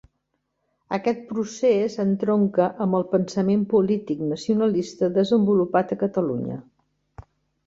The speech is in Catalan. Aquest procés entronca amb el pensament polític nacionalista desenvolupat a Catalunya.